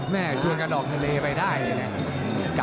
แม่ชวนกระดอกทะเลไปได้เลยนะครับ